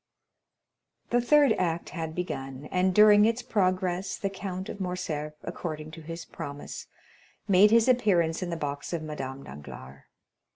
The third act had begun; and during its progress the Count of Morcerf, according to his promise, made his appearance in the box of Madame Danglars.